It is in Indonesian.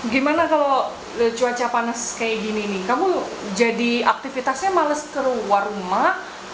gimana kalau cuaca panas kayak gini nih kamu jadi aktivitasnya males keluar rumah